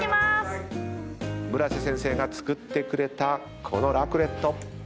村瀬先生が作ってくれたこのラクレット。